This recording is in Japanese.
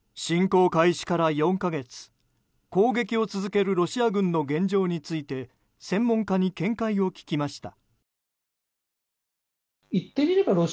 攻撃を続けるロシア軍の現状について専門家に見解を聞きました。